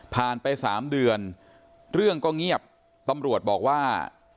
ไป๓เดือนเรื่องก็เงียบตำรวจบอกว่า